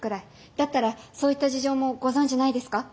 だったらそういった事情もご存じないですか？